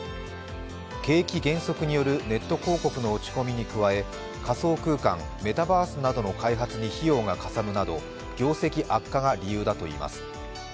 景気減速によるネット広告の落ち込みに加え仮想空間メタバースなどの開発に費用がかさむなど業績悪化が理由だといいます。